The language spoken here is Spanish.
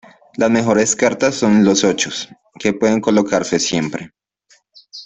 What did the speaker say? Las mejores cartas son los ochos, que pueden colocarse siempre.